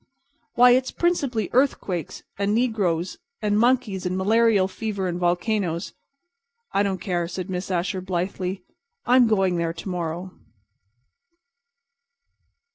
"Why, it's principally earthquakes and negroes and monkeys and malarial fever and volcanoes." "I don't care," said Miss Asher, blithely; "I'm going there to morrow."